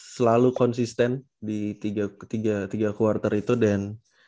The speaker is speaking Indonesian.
selalu konsisten di ketiga quarter itu dan